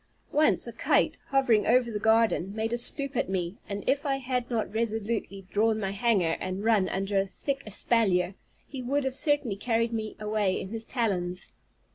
Once a kite, hovering over the garden, made a stoop at me, and if I had not resolutely drawn my hanger, and run under a thick espalier, he would have certainly carried me away in his talons.